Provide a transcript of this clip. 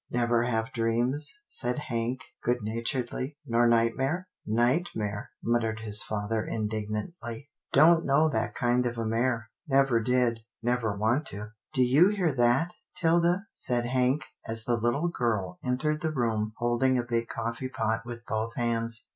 "" Never have dreams," said Hank good na turedly, " nor nightmare ?" "Nightmare!" muttered his father indignantly, 'TILDA JANE'S ERRAND 45 " don't know that kind of a mare — never did — never want to." " Do you hear that, 'Tilda? " said Hank as the httle girl entered the room holding a big coffee pot with both hands.